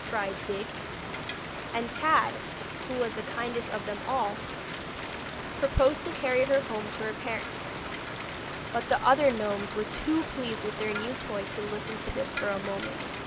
cried Dig. And Tad, who was the kindest of them all, proposed to carry her home to her parents. But the other gnomes were too pleased with their new toy to listen to this for a moment.